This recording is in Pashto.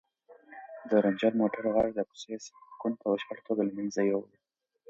د رنجر موټر غږ د کوڅې سکون په بشپړه توګه له منځه یووړ.